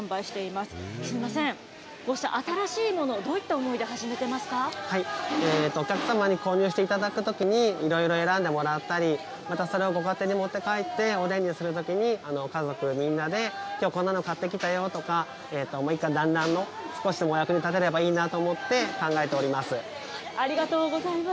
すみません、こうした新しいもの、お客様に購入していただくときに、いろいろ選んでもらったり、またそれをご家庭に持って帰っておでんにするときに、家族みんなで、きょうこんなの買ってきたよとか、一家だんらんの、少しでもお役に立てればいいなと思って考ありがとうございます。